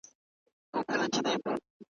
ستا دي خپل خلوت روزي سي پر کتاب که ډېوه ستړې ,